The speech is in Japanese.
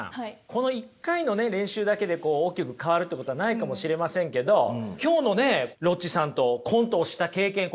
この一回の練習だけで大きく変わるってことはないかもしれませんけど今日のねロッチさんとコントをした経験これ貴重ですよね。